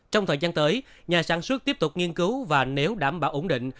trong thời gian tới nhà sản xuất tiếp tục nghiên cứu và nếu đảm bảo ổn định